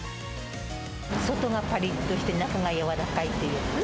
外はぱりっとして中が柔らかいっていう。